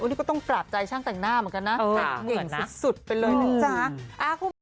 อุ๊ยนี่ก็ต้องปราบใจช่างแต่งหน้าเหมือนกันนะเออเห็นสุดสุดไปเลยจ้ะอ่า